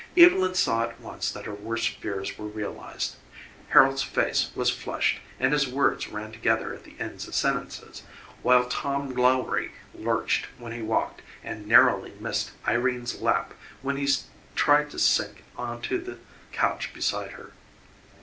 Evylyn saw at once that her worst fears were realized. Harold's face was flushed and his words ran together at the ends of sentences, while Tom Lowrie lurched when he walked and narrowly missed Irene's lap when he tried to sink onto the couch beside her.